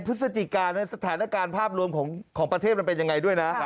พฤศจิกาสถานการณ์ภาพรวมของประเทศมันเป็นยังไงด้วยนะ